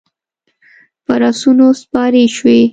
پر اسونو سپارې شوې.